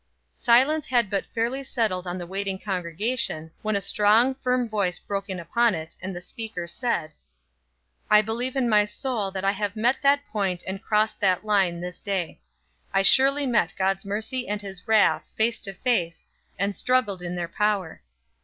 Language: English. Silence had but fairly settled on the waiting congregation when a strong, firm voice broke in upon it, and the speaker said: "I believe in my soul that I have met that point and crossed that line this day. I surely met God's mercy and his wrath, face to face, and struggled in their power.